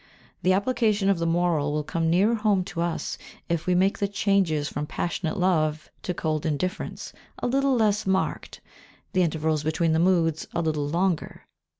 The application of the moral will come nearer home to us, if we make the changes from passionate love to cold indifference a little less marked, the intervals between the moods a little longer.